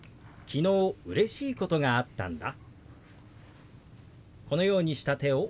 「昨日うれしいことがあったんだ」。